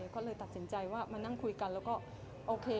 ก็เลยตัดสินใจว่ามานั่งคุยกันแล้วก็โอเค